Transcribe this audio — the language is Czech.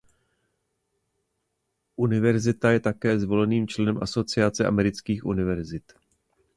Univerzita je také zvoleným členem Asociace amerických univerzit.